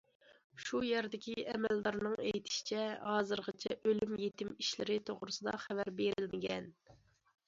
شۇ يەردىكى ئەمەلدارنىڭ ئېيتىشىچە، ھازىرغىچە، ئۆلۈم يېتىم ئىشلىرى توغرىسىدا خەۋەر بېرىلمىگەن.